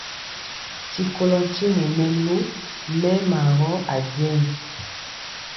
D@Ti kolɔ ntimɔ nɛ mɛlu mɛɛma gɔ ajeŋg.